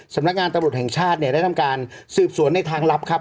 สำนักงานตำรวจแห่งชาติเนี่ยได้ทำการสืบสวนในทางลับครับ